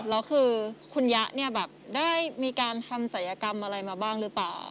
แล้วคือคุณยะเนี่ยแบบได้มีการทำศัยกรรมอะไรมาบ้างหรือเปล่า